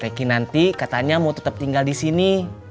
teki nanti katanya mau tetap tinggal disini